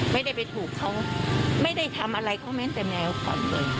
ไม่ได้กระเหยื่อให้ทุกคนไม่ได้ทำอะไรเกี่ยวกับเรามีเวลาเกิด